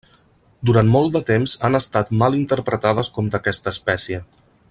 Durant molt de temps han estat mal interpretades com d'aquesta espècie.